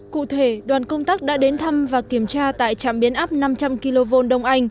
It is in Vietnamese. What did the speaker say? cụ thể đoàn công tác đã đến thăm và kiểm tra tại trạm biến áp năm trăm linh kv đông anh